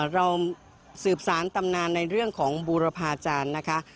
เราสืบสารตำนานในเรื่องของบูรพาจารย์นะคะ